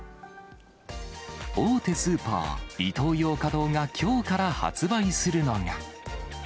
大手スーパー、イトーヨーカドーがきょうから発売するのが。